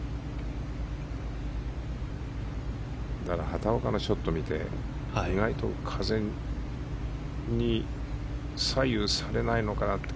畑岡のショットを見て意外と風に左右されないのかなって。